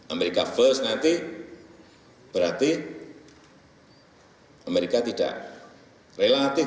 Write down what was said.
amerika first nanti berarti amerika tidak relatif